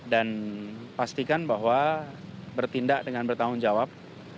dan pastikan bahwa bertindak dengan bertanggung jawab